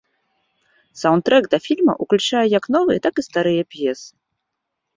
Саўндтрэк да фільма ўключае як новыя, так і старыя п'есы.